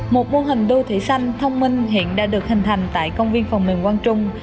một mô hình đô thị xanh thông minh hiện đã được hình thành tại công viên phòng miền quang trung